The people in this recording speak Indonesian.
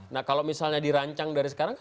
nah kalau misalnya dirancang dari sekarang